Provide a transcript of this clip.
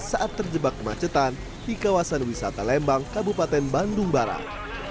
saat terjebak kemacetan di kawasan wisata lembang kabupaten bandung barat